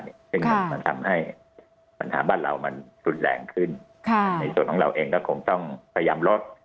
ซึ่งมันทำให้ปัญหาบ้านเรามันรุนแรงขึ้นในส่วนของเราเองก็คงต้องพยายามลด